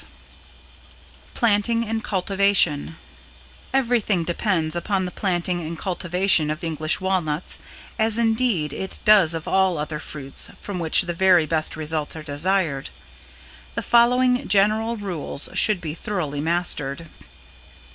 [Sidenote: =Planting and Cultivation=] Everything depends upon the planting and cultivation of English Walnuts as indeed it does of all other fruits from which the very best results are desired. The following general rules should be thoroughly mastered.